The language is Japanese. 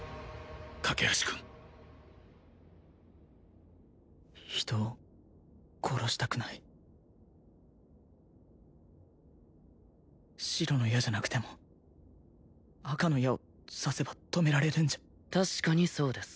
架橋君人を殺したくない白の矢じゃなくても赤の矢を刺せば止められるんじゃ確かにそうです